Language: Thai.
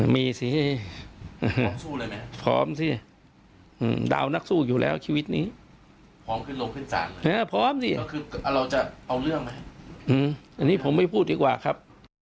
มีสิก็คือเราจะเอาเรื่องไหมครับอืมอันนี้ผมไม่พูดดีกว่าครับ